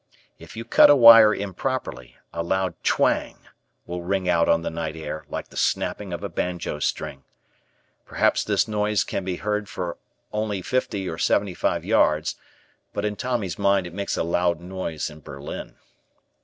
If you cut a wire improperly, a loud twang will ring out on the night air like the snapping of a banjo string. Perhaps this noise can be heard only for fifty or seventy five yards, but in Tommy's mind it makes a loud noise in Berlin.